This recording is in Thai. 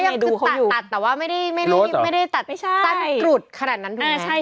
แต่ก็ยังคือตัดแต่ว่าไม่ได้ตัดสั้นกรุดขนาดนั้นถูกไหม